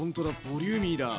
ボリューミーだ。